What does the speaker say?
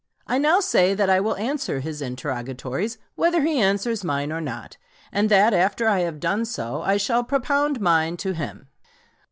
I now say that I will answer his interrogatories, whether he answers mine or not; and that after I have done so, I shall propound mine to him."